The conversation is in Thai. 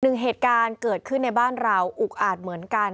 เหตุการณ์เกิดขึ้นในบ้านเราอุกอาจเหมือนกัน